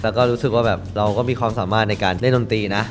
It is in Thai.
แล้วก็รู้สึกว่าแบบเราก็มีความสามารถในการเล่นดนตรีนะ